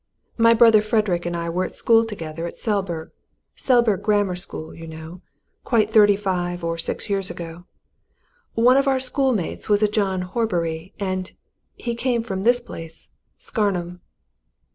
My brother Frederick and I were at school together at Selburgh Selburgh Grammar School, you know quite thirty five or six years ago. One of our schoolmates was a John Horbury. And he came from this place Scarnham."